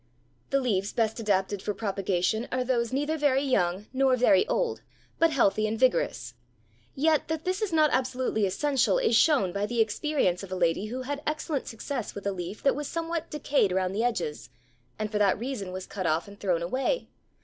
The leaves best adapted for propagation are those neither very young nor very old, but healthy and vigorous; yet that this is not absolutely essential is shown by the experience of a lady who had excellent success with a leaf that was some what decayed around the edges, and for that reason was cut off and thrown away.